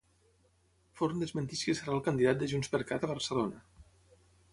Forn desmenteix que serà el candidat de JxCat a Barcelona.